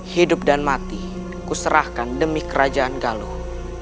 hidup dan mati kuserahkan demi kerajaan galuh